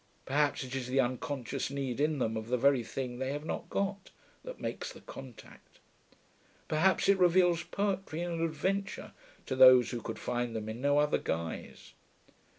Perhaps it is the unconscious need in them of the very thing they have not got, that makes the contact. Perhaps it reveals poetry and adventure to those who could find them in no other guise.